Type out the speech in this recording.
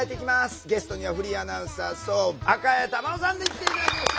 ゲストにはフリーアナウンサーそう赤江珠緒さんに来て頂きました。